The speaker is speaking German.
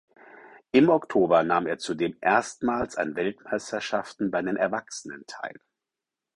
Im Oktober nahm er zudem erstmals an Weltmeisterschaften bei den Erwachsenen teil.